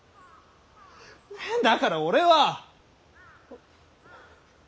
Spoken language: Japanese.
だから俺は。